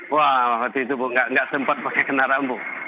wah waktu itu bu nggak sempat pakai kena rambu